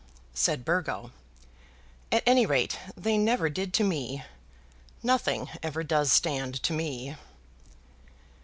said Burgo. "At any rate, they never did to me. Nothing ever does stand to me."